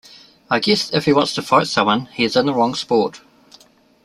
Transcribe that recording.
I guess if he wants to fight someone, he is in the wrong sport.